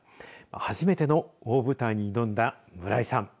初めての大舞台に挑んだ村井さん。